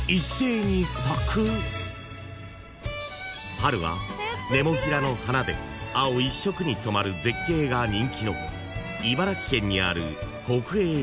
［春はネモフィラの花で青一色に染まる絶景が人気の］